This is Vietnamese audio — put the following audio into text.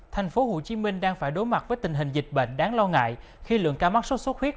tp hcm đang phải đối mặt với tình hình dịch bệnh đáng lo ngại khi lượng ca mắc sốt sốt huyết